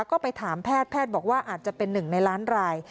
ก็ไปถามแพทย์แพทย์บอกว่าอาจจะเป็นหนึ่งในล้านราย